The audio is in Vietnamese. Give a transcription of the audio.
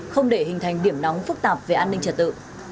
không để hình thành điểm nóng phức tạp về an ninh trật tự